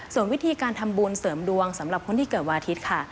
ส่วนวิธีการทำบุญเสริมดวงสำหรับคนที่เกิดวันอาทิตย์ค่ะ